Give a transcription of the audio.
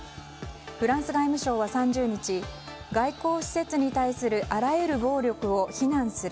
フランス外務省は３０日外交使節に対するあらゆる暴力を非難する。